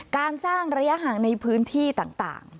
การสร้างระยะห่างในพื้นที่ต่าง